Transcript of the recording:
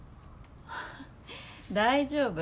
大丈夫。